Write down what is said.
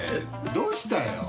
どうしたよ？